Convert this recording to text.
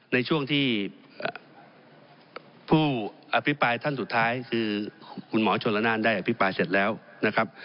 ในช่วงที่ผู้อภิปรายท่านสุดท้ายคือคุณหมอชนละนานได้อภิปรายเสร็จแล้วนะครับ